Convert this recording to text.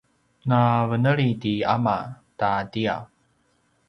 na veneli ti ama ta tiyaw